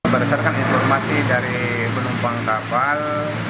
berdasarkan informasi dari penumpang kapal